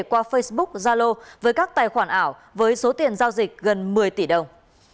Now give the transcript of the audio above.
qua facebook zalo với các tài khoản ảo với số tiền giao dịch gần một mươi tỷ đồng